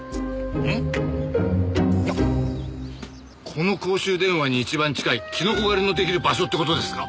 この公衆電話に一番近いキノコ狩りの出来る場所って事ですか？